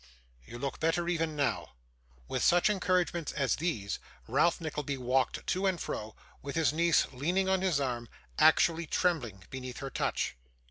You look better even now.' With such encouragements as these, Ralph Nickleby walked to and fro, with his niece leaning on his arm; actually trembling beneath her touch.